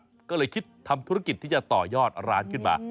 เหลือสัตว์ก็เลยคิดทำธุรกิจที่จะต่อยอดร้านขึ้นมา